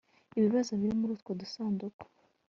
ibibazo biri muri utwo dusanduku